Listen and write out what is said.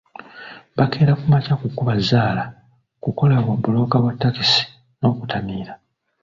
Bakeera ku makya kukuba zzaala, kukola bwabbulooka bwa takisi n’okutamiira.